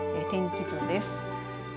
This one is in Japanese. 天気図です。